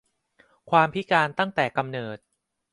ความพิการตั้งแต่กำเนิด